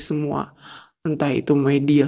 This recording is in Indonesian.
semua entah itu media